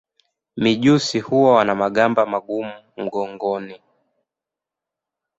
Mijusi hawa wana magamba magumu mgongoni.